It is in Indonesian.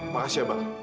makasih ya bal